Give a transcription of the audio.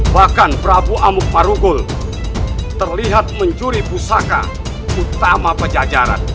bahkan prabu amuk marugul terlihat mencuri pusaka utama pejajaran